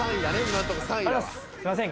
すいません